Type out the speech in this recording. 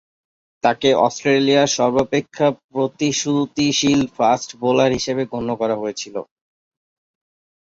তাকে অস্ট্রেলিয়ার সর্বাপেক্ষা প্রতিশ্রুতিশীল ফাস্ট বোলার হিসেবে গণ্য করা হয়েছিল।